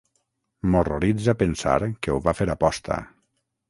M'horroritza pensar que ho va fer a posta.